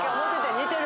似てる！